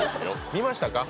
見ましたか？